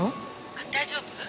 あっ大丈夫？